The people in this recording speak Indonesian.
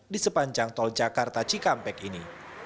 di sepanjang tol jakarta cikampek ini